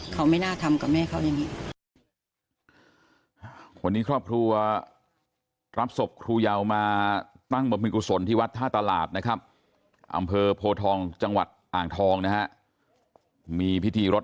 เขาไม่น่าทำกับแม่เขาอย่างนี้